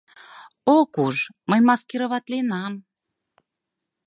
Ок уж, мый маскироватленам...